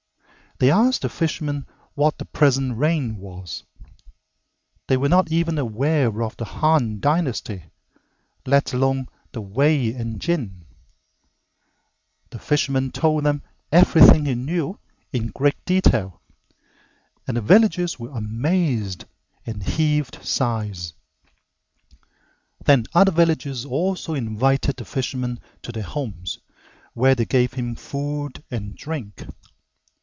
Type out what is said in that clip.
They asked the fisherman what the present reign was. They were not even aware of the Han Dynasty , let alone the Wei and Jin. The fisherman told them everything he knew in great detail, and the villagers were amazed and heaved sighs. Then other villagers also invited the fisherman to their homes, where they gave him food and drink.